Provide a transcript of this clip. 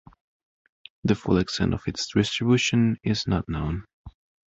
The full extent of its distribution is not known.